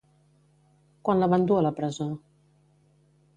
Quan la van dur a presó?